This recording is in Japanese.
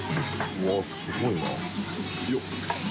うわっすごいな。